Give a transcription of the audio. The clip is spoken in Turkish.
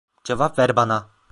Cevap ver bana!